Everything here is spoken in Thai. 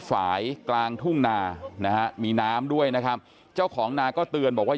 ฝ่ายกลางทุ่งนานะฮะมีน้ำด้วยนะครับเจ้าของนาก็เตือนบอกว่า